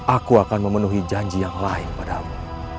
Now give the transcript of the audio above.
aku akan memenuhi janji yang lain pada mu